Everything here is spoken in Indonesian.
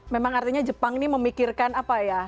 memang artinya jepang ini memikirkan apa ya